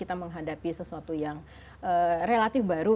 dan menghadapi sesuatu yang relatif baru